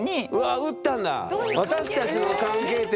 打ったんだ。